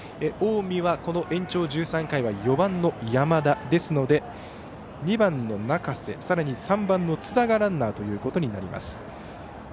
近江は延長１３回は４番の山田ですので２番の中瀬さらに３番の津田がランナーとなります。